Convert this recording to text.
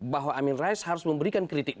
bahwa amin rais harus memberikan kritik